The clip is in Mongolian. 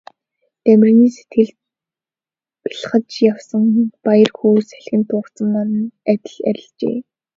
Дамираны сэтгэлд бялхаж явсан баяр хөөр салхинд туугдсан манан адил арилжээ.